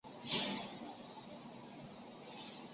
他也在雪梨夏季奥运结束后正式退休。